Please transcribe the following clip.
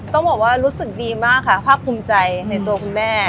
ต้องบอกว่ารู้สึกดีมากค่ะภาคภูมิใจในตัวคุณแม่